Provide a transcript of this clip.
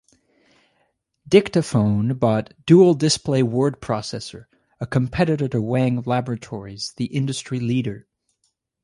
Dictaphone bought Dual Display Word Processor, a competitor to Wang Laboratories, the industry leader.